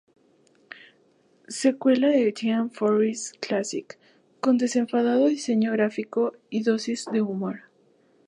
Secuela de Team Fortress Classic, con un desenfadado diseño gráfico y dosis de humor.